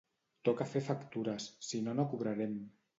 Toca fer factures, sinó no cobrarem